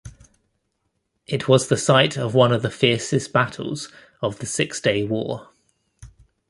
It was the site of one of the fiercest battles of the Six-Day War.